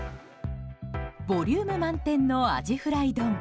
ボリューム満点のアジフライ丼。